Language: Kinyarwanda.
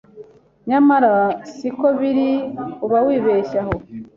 Nyamara siko biri uba wibeshye aho